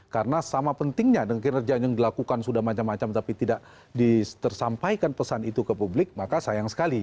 karena sama pentingnya dengan kinerja yang dilakukan sudah macam macam tapi tidak disampaikan pesan itu ke publik maka sayang sekali